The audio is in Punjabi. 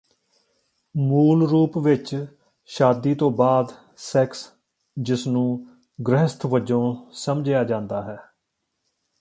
ਮੂਲਰੂਪ ਵਿੱਚ ਸ਼ਾਦੀ ਤੋਂ ਬਾਦ ਸੈਕਸ ਜਿਸ ਨੂੰ ਗ੍ਰਹਿਸਥ’ ਵਜੋਂ ਸਮਝਿਆ ਜਾਂਦਾ ਹੈ